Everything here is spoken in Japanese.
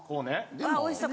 あおいしそう。